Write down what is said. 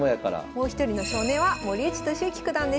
もう一人の少年は森内俊之九段でした。